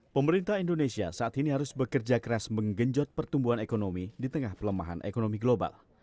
pemerintah indonesia saat ini harus bekerja keras menggenjot pertumbuhan ekonomi di tengah pelemahan ekonomi global